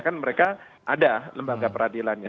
kan mereka ada lembaga peradilannya